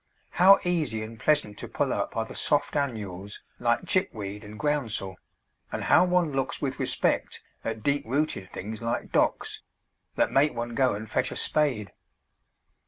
How easy and pleasant to pull up are the soft annuals like Chickweed and Groundsel, and how one looks with respect at deep rooted things like Docks, that make one go and fetch a spade.